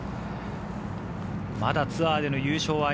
まだツアーでの優勝はあ